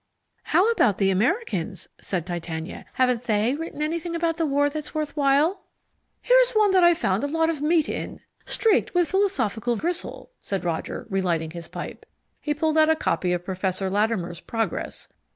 "How about the Americans?" said Titania. "Haven't they written anything about the war that's worth while?" "Here's one that I found a lot of meat in, streaked with philosophical gristle," said Roger, relighting his pipe. He pulled out a copy of Professor Latimer's Progress.